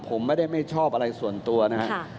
ผมไม่ได้ไม่ชอบอะไรส่วนตัวนะครับ